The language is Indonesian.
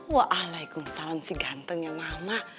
waalaikumsalam si gantengnya mama